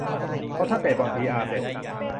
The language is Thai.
พอท่านเตะบอลพีอาร์เสร็จ